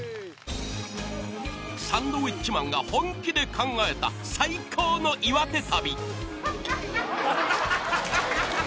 サンドウィッチマンが本気で考えた最高の岩手旅！